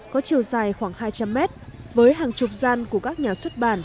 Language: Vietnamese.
có chiều dài khoảng hai trăm linh mét với hàng chục gian của các nhà xuất bản